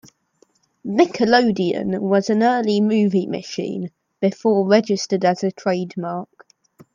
"Nickelodeon" was an early movie machine before registered as a trademark.